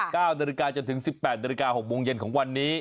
ค่ะค่ะค่ะค่ะ๙นจนถึง๑๘น๖โมงเย็นของวันนี้